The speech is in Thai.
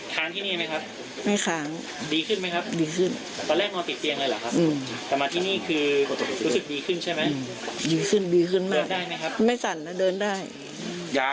ค้างที่นี่ไหมครับ